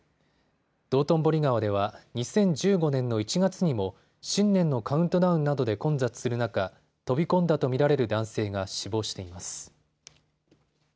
道頓堀川では２０１５年の１月にも新年のカウントダウンなどで混雑する中、飛び込んだと見られる男性が死亡しています。